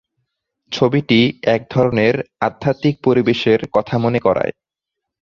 ছবিটি এক ধরনের আধ্যাত্মিক পরিবেশের কথা মনে করায়।